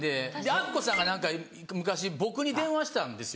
アッコさんが何か昔僕に電話したんですよ。